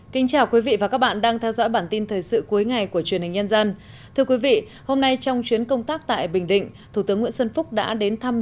thưa quý vị hôm nay trong chuyến công tác tại bình định thủ tướng nguyễn xuân phúc đã đến thăm